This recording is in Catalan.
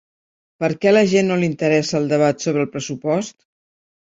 Per què a la gent no l’interessa el debat sobre el pressupost?